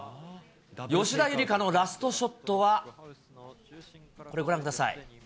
吉田夕梨花のラストショットはこれ、ご覧ください。